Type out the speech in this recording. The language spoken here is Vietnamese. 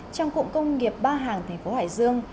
trong cụm công nghiệp ba hàng thành phố hải dương